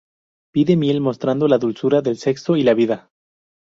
Pide miel, mostrando la dulzura del sexo y la vida.